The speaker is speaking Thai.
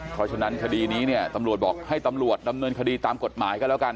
เพราะฉะนั้นคดีนี้เนี่ยตำรวจบอกให้ตำรวจดำเนินคดีตามกฎหมายก็แล้วกัน